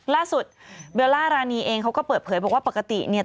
เบลล่ารานีเองเขาก็เปิดเผยบอกว่าปกติเนี่ย